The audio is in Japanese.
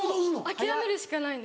諦めるしかないんです。